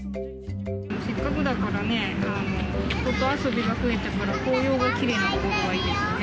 せっかくだからね、外遊びが増えたから、紅葉がきれいな所がいいですよね。